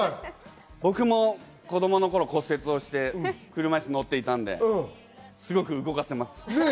僕も子供の頃、骨折して車いす乗っていたんで、すごく動かせます。